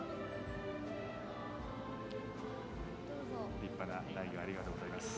立派な苗木をありがとうございます。